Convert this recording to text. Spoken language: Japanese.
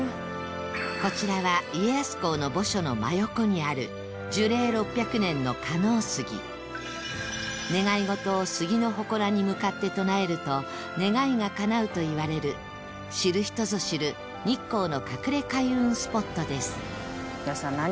こちらは家康公の墓所の真横にある樹齢６００年の叶杉願い事を杉のほこらに向かって唱えると願いがかなうといわれる知る人ぞ知る日光の隠れ開運スポットです